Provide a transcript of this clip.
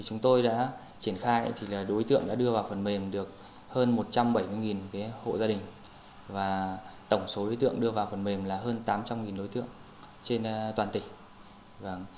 chúng tôi đã triển khai thì đối tượng đã đưa vào phần mềm được hơn một trăm bảy mươi hộ gia đình và tổng số đối tượng đưa vào phần mềm là hơn tám trăm linh đối tượng trên toàn tỉnh